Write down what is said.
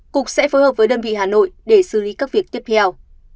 cục sẽ phối hợp với đơn vị hà nội để xử lý các việc tiếp theo